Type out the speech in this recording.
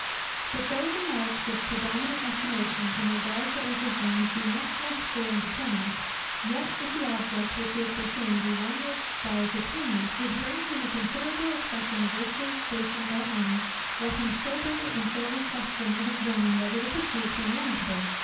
But though the marks of predominant estimation and regard for earthly things be much less clear and determinate; yet if the object which he is pursuing be one which, by its attainment, would bring him a considerable accession of riches, station, or honour, let him soberly and fairly question and examine whether the pursuit be warrantable?